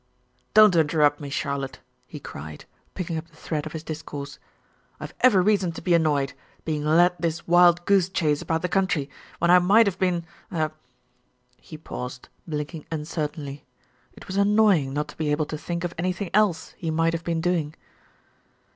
"Don't interrupt me, Charlotte," he cried, ,jicking up the thread of his discourse. "I have every reason to be annoyed, being led this wild goose chase about the country, when I might have been, er " He paused, blinking uncertainly. It was annoying not to be able to think of anything else he might have been doing.